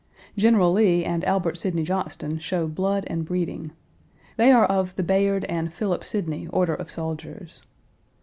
General Lee and Albert Sidney Johnston show blood and breeding. They are of the Bayard and Philip Sidney order of soldiers.